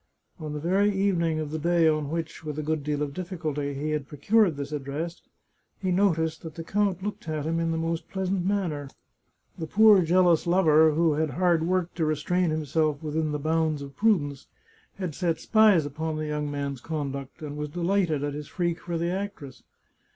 On the very evening of the day on which, with a good deal of difficulty, he had procured this address, he noticed that the count looked at him in the most pleasant manner. The poor jealous lover, who had hard work to restrain himself within the bounds of prudence, had set spies upon the young man's conduct, and was delighted at his freak for the actress.